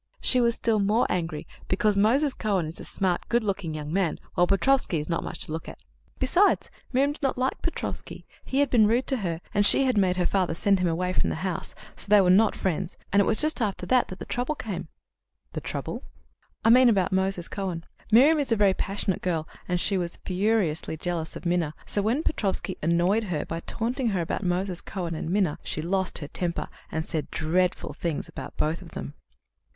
"She was still more angry, because Moses Cohen is a smart, good looking young man, while Petrofsky is not much to look at. Besides, Miriam did not like Petrofsky; he had been rude to her, and she had made her father send him away from the house. So they were not friends, and it was just after that that the trouble came." "The trouble?" "I mean about Moses Cohen. Miriam is a very passionate girl, and she was furiously jealous of Minna, so when Petrofsky annoyed her by taunting her about Moses Cohen and Minna, she lost her temper, and said dreadful things about both of them."